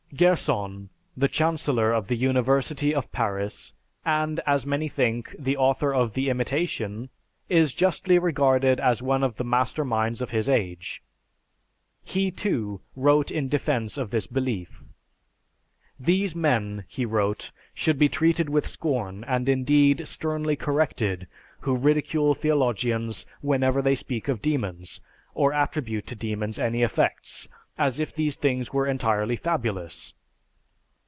Gerson, the chancellor of the University of Paris, and, as many think, the author of "The Imitation," is justly regarded as one of the master minds of his age; he too, wrote in defense of this belief. "These men," he wrote, "should be treated with scorn, and indeed, sternly corrected, who ridicule theologians whenever they speak of demons, or attribute to demons any effects, as if these things were entirely fabulous.